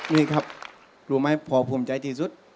นี่ครับรู้ไหมพอภูมิใจที่สุด